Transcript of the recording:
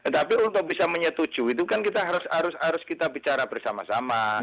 tapi untuk bisa menyetujui itu kan kita harus kita bicara bersama sama